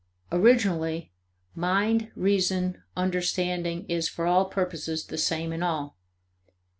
Originally, mind, reason, understanding is, for all practical purposes, the same in all.